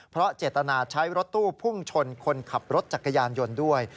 เพราะเจตนาใช้รถตู้พุ่งชนคนขับรถจักรยานยนต์ด้วย